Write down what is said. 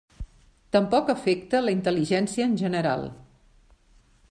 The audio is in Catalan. Tampoc afecta la intel·ligència en general.